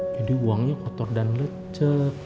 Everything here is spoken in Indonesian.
jadi uangnya kotor dan lecet